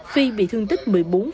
phi bị thương tích